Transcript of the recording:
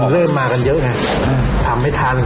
เริ่มมากันเยอะไงทำไม่ทัน